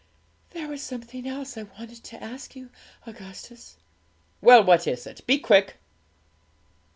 'There was something else I wanted to ask you, Augustus.' 'Well, what is it? Be quick!'